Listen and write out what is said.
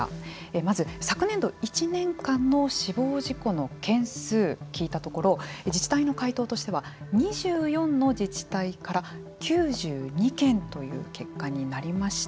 まず昨年度１年間の死亡事故の件数を聞いたところ自治体の回答としては２４の自治体から９２件という結果になりました。